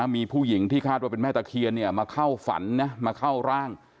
มีผู้หญิงที่คาดว่าเป็นแม่ตะเคียนมาเข้าฝันนะมาเข้าร่าง